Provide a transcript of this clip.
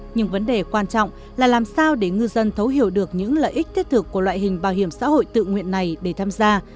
nhưng vấn đề quan trọng là làm sao để ngư dân thấu hiểu được những lợi ích thiết thực của loại hình bảo hiểm xã hội tự nguyện này để tham gia